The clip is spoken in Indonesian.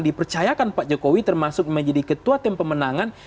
dipercayakan pak jokowi termasuk menjadi ketua tim pemenangan